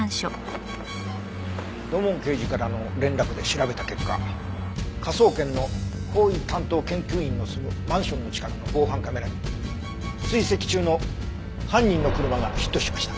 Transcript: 土門刑事からの連絡で調べた結果科捜研の法医担当研究員の住むマンションの近くの防犯カメラに追跡中の犯人の車がヒットしました。